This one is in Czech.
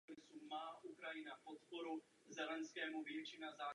V současné době se objevují snahy časopis oživit.